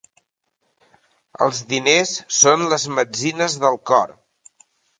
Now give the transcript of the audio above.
Els diners són les metzines del cor.